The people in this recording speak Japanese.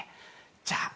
じゃあ。